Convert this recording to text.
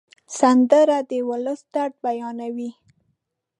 سندره د ولس درد بیانوي